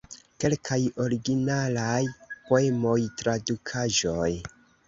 Kelkaj originalaj poemoj, tradukaĵoj.